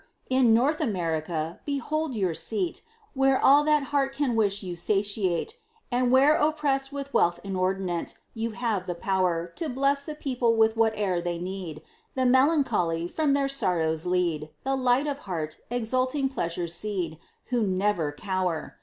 In North America, behold your Seat, Where all that heart can wish you satiate, And where oppressed with wealth inordinate, You have the power To bless the people with whate'er they need, The melancholy, from their sorrows lead, The light of heart, exulting pleasures cede, Who never cower.